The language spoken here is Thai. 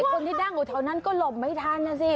คนที่นั่งอยู่แถวนั้นก็หลบไม่ทันนะสิ